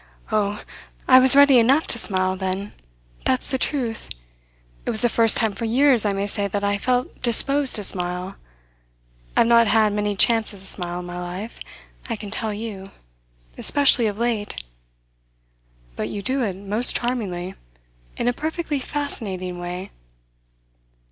"Oh, I was ready enough to smile then. That's the truth. It was the first time for years I may say that I felt disposed to smile. I've not had many chances to smile in my life, I can tell you; especially of late." "But you do it most charmingly in a perfectly fascinating way."